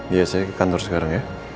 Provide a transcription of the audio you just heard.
iya saya ke kantor sekarang ya